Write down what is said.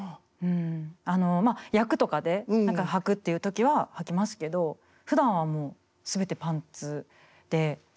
まあ役とかではくっていう時ははきますけどふだんはもう全てパンツで。